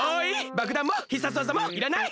ばくだんも必殺技もいらない。